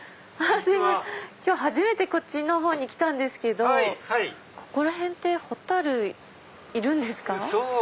今日初めてこっちのほうに来たんですけどここら辺ってホタルいるんですか？